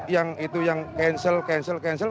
yang itu yang cancel cancel cancel